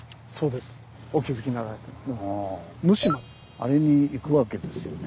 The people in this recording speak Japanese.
あれに行くわけですよね。